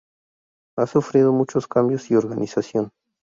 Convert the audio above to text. Ha sufrido muchos cambios y organización.